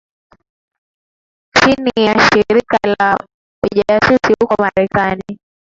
chini ya Shirika lake la Ujasusi huko Marekani